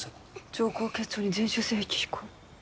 上行結腸に全周性壁肥厚。